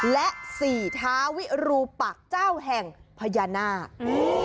และสี่ท้าวิรูปักเจ้าแห่งพญานาคอืม